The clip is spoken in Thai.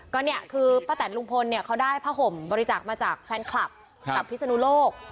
ก็เนี่ยคือป้าแตนลุงพลเนี่ยเขาได้ผ้าห่มบริจาคมาจากแฟนคลับจากพิศนุโลก